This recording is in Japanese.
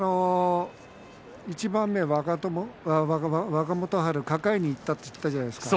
一番目若元春、抱えにいったといったじゃないですか。